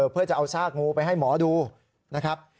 เพื่อจะเอาซากงูไปให้หมอดูนะครับ